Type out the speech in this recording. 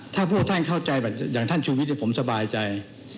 ถ้าพวกท่านเข้าใจอย่างท่านชูวิทย์ผมสบายใจ